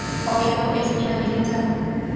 Oviedo es inhabilitado.